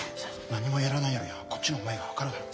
何もやらないよりはこっちの思いが分かるだろ。